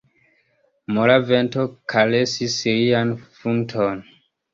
Mola vento karesis lian frunton.